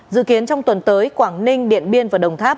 dự kiến trong tuần tới quảng ninh điện biên và đồng tháp